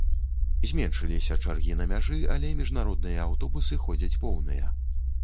Зменшыліся чэргі на мяжы, але міжнародныя аўтобусы ходзяць поўныя.